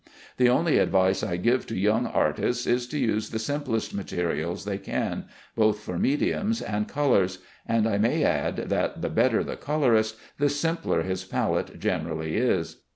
The only advice I give to young artists is to use the simplest materials they can, both for mediums and colors; and I may add, that the better the colorist, the simpler his palette generally is.